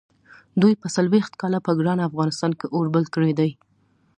دوی څلوېښت کاله په ګران افغانستان کې اور بل کړی دی.